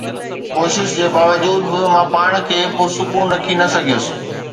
ڪوشش جي باوجود به مان پاڻ کي پرسڪون رکي نه سگهيس.